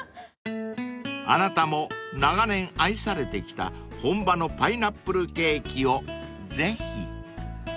［あなたも長年愛されてきた本場のパイナップルケーキをぜひ］